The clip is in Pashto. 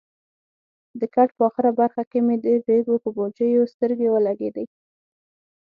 د کټ په اخره برخه کې مې د ریګو پر بوجیو سترګې ولګېدې.